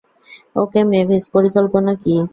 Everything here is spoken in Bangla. ওকে, মেভিস, পরিকল্পনা কী?